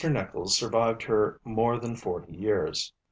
Nicholls survived her more than forty years.